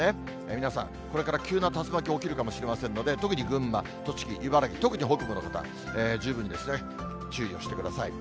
皆さん、これから急な竜巻起きるかもしれませんので、特に群馬、栃木、茨城、特に北部の方、十分に注意をしてください。